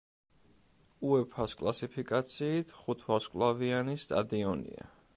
უეფა-ს კლასიფიკაციით ხუთვარსკვლავიანი სტადიონია.